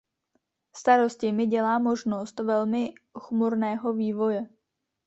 Starosti mi dělá možnost velmi chmurného vývoje.